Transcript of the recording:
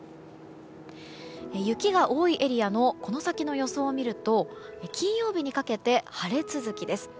雪が多いエリアのこの先の予想を見ると金曜日にかけて晴れ続きです。